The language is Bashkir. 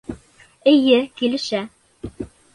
Эйе, килешә